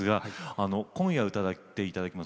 今夜、歌っていただきます